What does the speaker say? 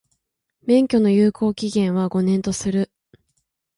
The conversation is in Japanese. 免許の有効期間は、五年とする。